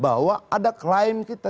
bahwa ada klaim kita